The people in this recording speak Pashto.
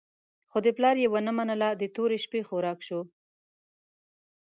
خو د پلار یې ونه منله، د تورې شپې خوراک شو.